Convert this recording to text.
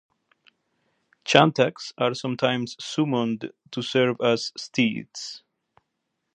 Shantaks are sometimes summoned to serve as steeds.